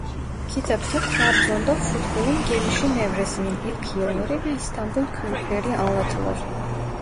Kitap'ta Trabzon'da futbolun gelişim evresinin ilk yılları ve İstanbul kulüpleri anlatılır.